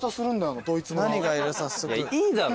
いいだろ。